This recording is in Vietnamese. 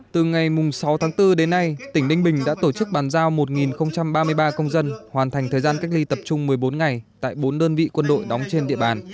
từ ngày sáu tháng bốn đến nay tỉnh ninh bình đã tổ chức bàn giao một ba mươi ba công dân hoàn thành thời gian cách ly tập trung một mươi bốn ngày tại bốn đơn vị quân đội đóng trên địa bàn